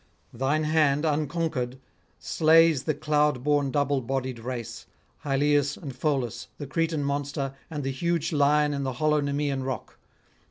Thine hand, unconquered, slays the cloud born double bodied race, Hylaeus and Pholus, the Cretan monster, and the huge lion in the hollow Nemean rock.